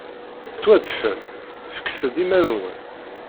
Tettwaḍḍfem. Fket-d iman-nwen!